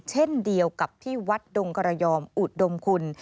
เช่นเดียวกับที่วัดดงกระยอมอุดมคุณ